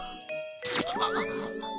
あっ。